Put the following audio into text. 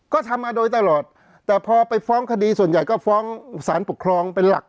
ก็ทำมาโดยตลอดแต่พอไปฟ้องคดีส่วนใหญ่ก็ฟ้องสารปกครองเป็นหลัก